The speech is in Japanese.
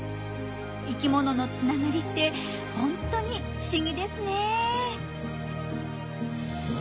生きもののつながりってホントに不思議ですね。